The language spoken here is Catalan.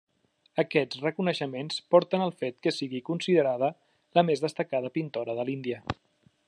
Aquests reconeixements porten al fet que sigui considerada la més destacada pintora de l'Índia.